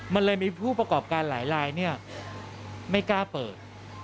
มันเลยมีผู้ประกอบการหลายลายไม่กล้าเปิด